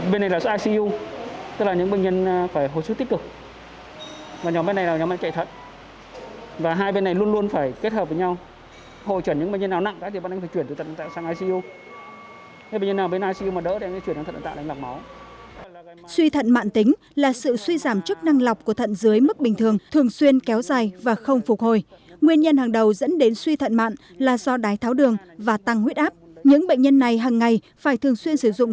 bên này là số icu tức là những bệnh nhân phải hồi sức tích cực và nhóm bên này là nhóm bệnh nhân chạy thận và hai bên này luôn luôn phải kết hợp với nhau hồi chuẩn những bệnh nhân nào nặng